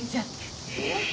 えっ！